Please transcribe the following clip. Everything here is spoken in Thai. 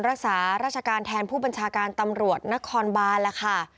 รักษาราชการแทนผู้บัญชาการตำรวจนครบานแล้วค่ะ